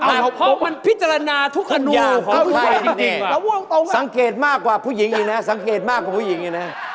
แต่เพราะมันพิจารณาทุกขนู่ของใครดีว่ะสังเกตมากกว่าผู้หญิงอีกนะ